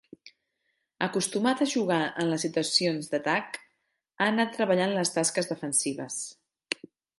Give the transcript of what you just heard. Acostumat a jugar en les situacions d'atac, ha anat treballant les tasques defensives.